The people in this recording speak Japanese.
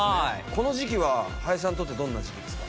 この時期は林さんにとってどんな時期ですか？